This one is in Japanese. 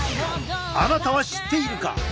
あなたは知っているか？